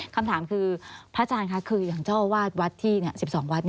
คำถามคือพระอาจารย์คะคืออย่างเจ้าอาวาสวัดที่๑๒วัด